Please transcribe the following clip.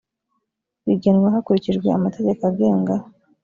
bigenwa hakurikijwe amategeko agenga